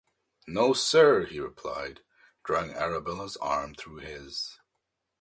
‘No, Sir,’ he replied, drawing Arabella’s arm through his.